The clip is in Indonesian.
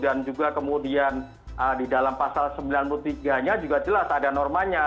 dan juga kemudian di dalam pasal sembilan puluh tiga nya juga jelas ada normanya